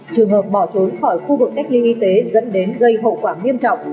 trường hợp bỏ trốn khỏi khu vực cách ly y tế dẫn đến gây hậu quả nghiêm trọng